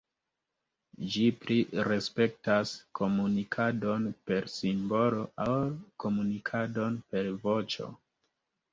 Ĝi pli respektas komunikadon per simbolo ol komunikadon per voĉo.